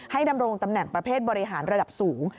ดำรงตำแหน่งประเภทบริหารระดับสูง